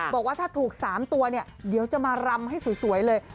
บอกว่าถ้าถูก๓ตัวเนี่ยเดี๋ยวจะมารำให้สวยเลย